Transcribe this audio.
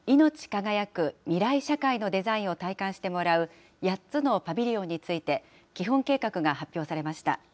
輝く未来社会のデザインを体感してもらう８つのパビリオンについて、基本計画が発表されました。